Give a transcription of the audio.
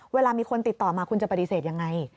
เวลามีคนติดต่อมาคุณจะปฏิเสธยังไง